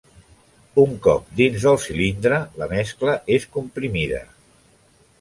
Un cop dins del cilindre la mescla és comprimida.